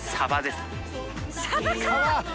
サバか！